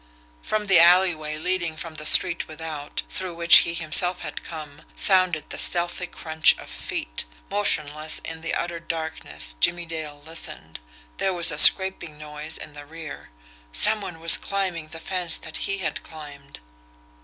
From the alleyway leading from the street without, through which he himself had come, sounded the stealthy crunch of feet. Motionless in the utter darkness, Jimmie Dale listened there was a scraping noise in the rear someone was climbing the fence that he had climbed!